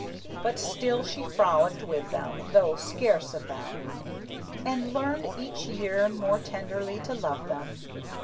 But still she frolicked with them, though scarce of them, And learned each year more tenderly to love them.